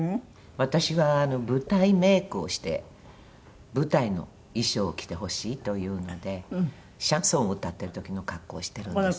私は舞台メイクをして舞台の衣装を着てほしいというのでシャンソンを歌ってる時の格好をしてるんですね。